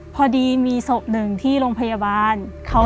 พอดีมีศพหนึ่งที่โรงพยาบาล